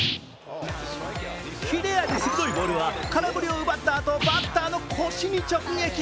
切れ味鋭いボールは空振りを奪ったあと、バッターの腰に直撃。